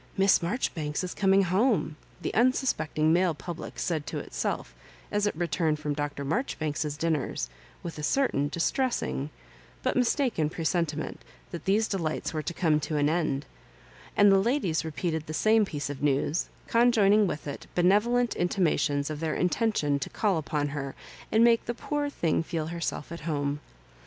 *' Misa Marjoribanks is ooming home," the unsuspect ing male public said to itself as it returned from Dr. Marjoribanks's dinners, with a certain distress ing, but mistaken presentiment, that these de lights were to come to an end; and the ladies repeated the same piece of news, conjoining with* it benevolent intimations of their intention o call upon her, and make the poor thmg feel ber< self at home.